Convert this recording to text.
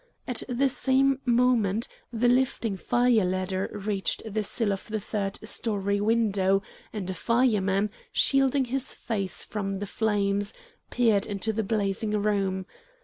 At the same moment the lifting fire ladder reached the sill of the third story window, and a fireman, shielding his face from the flames, peered into the blazing room.